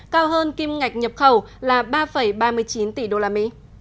cao hơn kim ngạch nhập khẩu là ba ba mươi chín tỷ usd